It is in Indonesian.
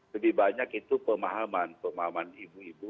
jadi banyak itu pemahaman pemahaman ibu ibu